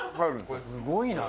すごいな。